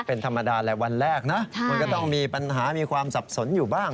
เป็นธรรมดาแหละวันแรกนะมันก็ต้องมีปัญหามีความสับสนอยู่บ้าง